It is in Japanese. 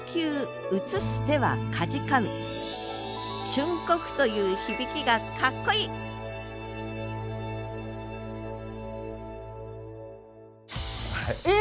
瞬刻という響きがかっこいいえ